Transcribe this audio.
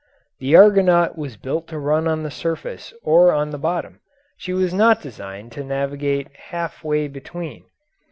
The Argonaut was built to run on the surface or on the bottom; she was not designed to navigate half way between.